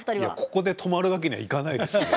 ここで止まるわけにはいかないですよね。